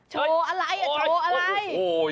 โชว์อะไรโชว์อะไร